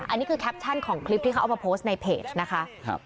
อันนี้คือแคปชั่นของคลิปที่เขาเอามาโพสต์ในเพจนะคะ